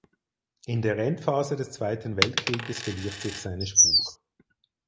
In der Endphase des Zweiten Weltkrieges verliert sich seine Spur.